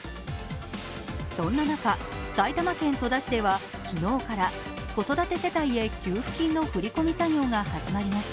そんな中、埼玉県戸田市では昨日から子育て世帯へ給付金の振り込み作業が始まりました。